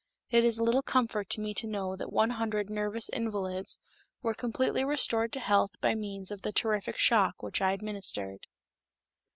It is little comfort to me to know that one hundred nervous invalids were completely restored to health by means of the terrific shock which I administered.